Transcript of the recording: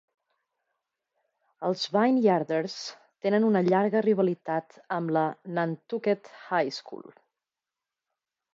Els Vineyarders tenen una llarga rivalitat amb la Nantucket High School.